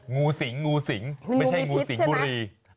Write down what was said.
งูสิงงูสิงไม่ใช่งูสิงห์บุรี